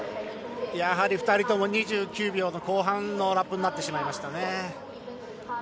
やはり２人とも２９秒後半のラップになってしまいましたね。